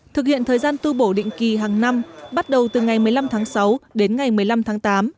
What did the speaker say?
thực hiện thời gian tu bổ định kỳ hàng năm bắt đầu từ ngày một mươi năm tháng sáu đến ngày một mươi năm tháng tám